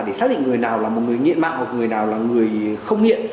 để xác định người nào là một người nghiện ma hoặc người nào là người không nghiện